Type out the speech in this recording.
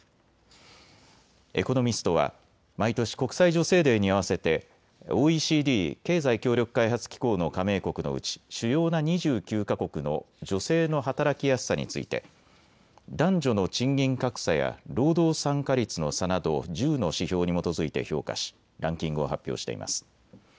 エコノミストは毎年国際女性デーに合わせてＯＥＣＤ・経済協力開発機構の加盟国のうち主要な２９か国の女性の働きやすさについて男女の賃金格差や労働参加率の差など１０の指標に基づいて評価しランキングを発表しています。